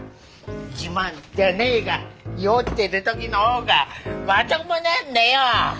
自慢じゃねえが酔ってる時の方がまともなんだよ。